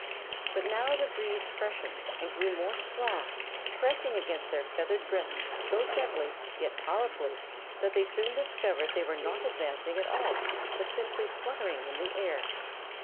But now the breeze freshened and grew more strong, pressing against their feathered breasts so gently yet powerfully that they soon discovered they were not advancing at all, but simply fluttering in the air.